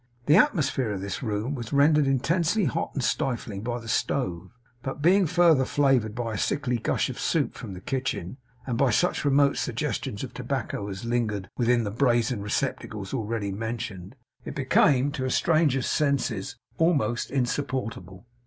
The atmosphere of this room was rendered intensely hot and stifling by the stove; but being further flavoured by a sickly gush of soup from the kitchen, and by such remote suggestions of tobacco as lingered within the brazen receptacles already mentioned, it became, to a stranger's senses, almost insupportable.